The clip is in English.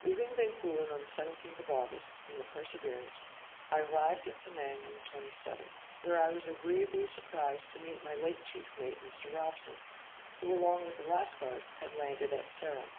Leaving Bencoolen on the 17th of August, in the Perseverance, I arrived at Penang on the 27th, where I was agreeably surprized to meet my late chief mate Mr. Robson, who, along with the Lascars, had landed at Ceram.